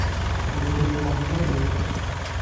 Baba-k ad yefṛeḥ mliḥ yis-k.